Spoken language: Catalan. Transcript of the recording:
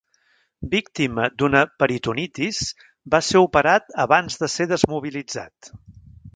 Víctima d'una peritonitis, va ser operat abans de ser desmobilitzat.